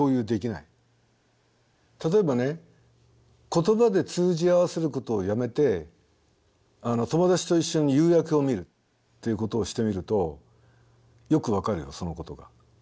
例えばね言葉で通じ合わせることをやめて友達と一緒に夕焼けを見るっていうことをしてみるとよく分かるよそのことが。